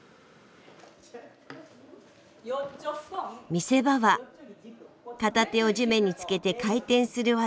見せ場は片手を地面につけて回転する技です。